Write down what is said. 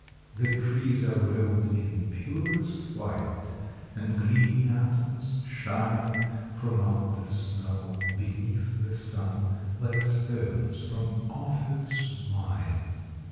The trees are rob'd in purest white, And gleaming atoms shine From out the snow, beneath the sun, Like stones from Ophir's mine.